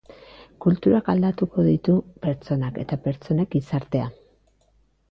Kulturak aldatuko ditu pertsonak eta pertsonek gizartea.